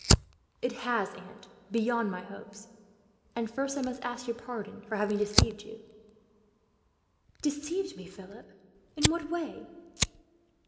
"It has, aunt, beyond my hopes. And first, I must ask your pardon for having deceived you." "Deceived me, Philip! In what way?"